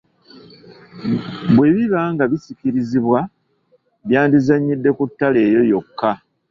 Bwe biba nga bisikirizibwa, byandizannyidde ku ttule eyo yokka.